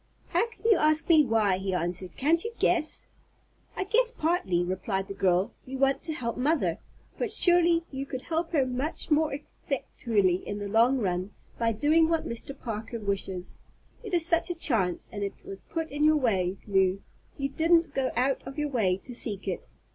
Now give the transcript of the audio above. "How can you ask me why?" he answered. "Can't you guess?" "I guess partly," replied the girl; "you want to help mother. But surely you could help her much more effectually in the long run by doing what Mr. Parker wishes. It is such a chance, and it was put in your way, Lew; you didn't go out of your way to seek it.